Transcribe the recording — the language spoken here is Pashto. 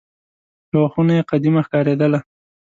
یوه خونه یې قدیمه ښکارېدله.